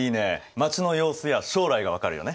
街の様子や将来が分かるよね。